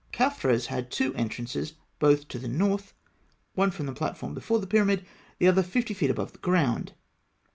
Khafra's had two entrances, both to the north, one from the platform before the pyramid, the other fifty feet above the ground.